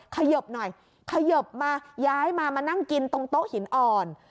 ขยบหน่อยขยบมาย้ายมามานั่งกินตรงโต๊ะหินอ่อน